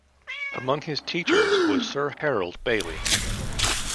Among his teachers was Sir Harold Bailey.